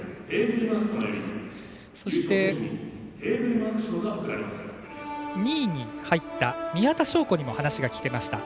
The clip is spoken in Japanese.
そして、２位に入った宮田笙子にも話が聞けました。